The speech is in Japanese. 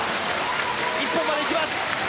一本までいきます！